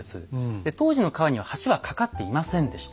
で当時の川には橋は架かっていませんでした。